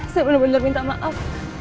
saya benar benar minta maaf